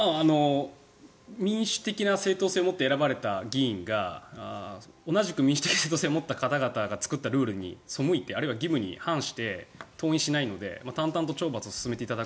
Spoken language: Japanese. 民主的な正当性をもって選ばれた議員が同じく民主的な正当性を持って作られたルールに対してあるいは義務に反して登院しないので淡々と懲罰を進めていただく。